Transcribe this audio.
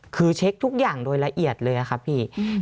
คือเช็คทุกอย่างโดยละเอียดเลยครับพี่